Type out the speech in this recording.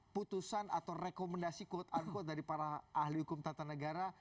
putusan atau rekomendasi quote unquote dari para ahli hukum tata negara